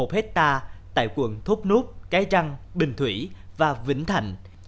một hectare tại quận thốt nốt cái trăng bình thủy và vĩnh thạnh